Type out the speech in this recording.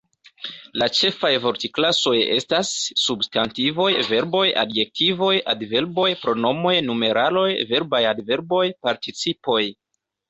La ĉefaj vortklasoj estas: substantivoj, verboj, adjektivoj, adverboj, pronomoj, numeraloj, verbaj adverboj, participoj.